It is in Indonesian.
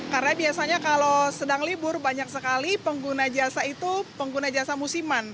karena biasanya kalau sedang libur banyak sekali pengguna jasa itu pengguna jasa musiman